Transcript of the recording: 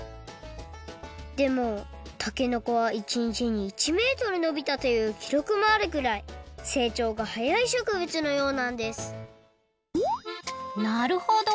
でもたけのこは１にちに１メートルのびたというきろくもあるくらいせいちょうがはやいしょくぶつのようなんですなるほど。